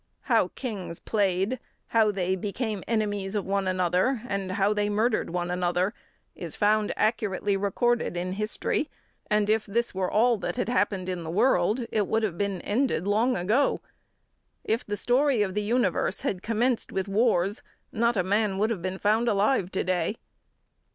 How kings played how they become enemies of one another and how they murdered one another is found accurately recorded in history and, if this were all that had happened in the world, it would have been ended long ago. If the story of the universe had commenced with wars, not a man would have been found alive to day.